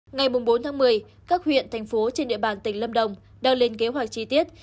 ngày bốn tháng một mươi các huyện thành phố trên địa bàn tỉnh lâm đồng đang lên kế hoạch chi tiết